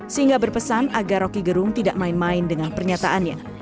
sehingga berpesan agar rokigerung tidak main main dengan pernyataannya